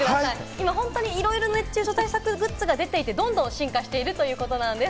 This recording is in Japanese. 今、いろいろ熱中症対策グッズが出ていて、どんどん進化しているということなんです。